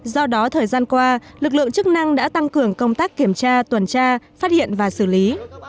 do đó thời gian qua lực lượng chức năng đã tăng cường công tác kiểm tra tuần tra phát hiện và xử lý